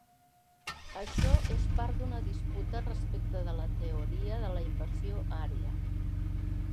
Això és part d'una disputa respecte de la teoria de la invasió ària.